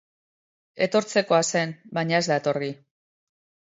Etortzekoa zen baina ez da etorri.